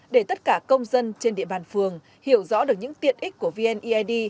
để tất cả công dân trên địa bàn phường hiểu rõ được những tiện ích của vneid